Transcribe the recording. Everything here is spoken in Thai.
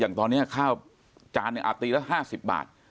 อย่างตอนนี้ค่าจาน๑อาตรีละ๕๐บาท